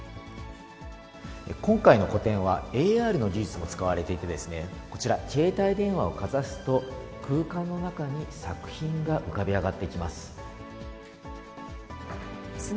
今回の個展は、ＡＲの技術も使われていて、こちら、携帯電話をかざすと、空間の中に作品が浮かび上がってきます。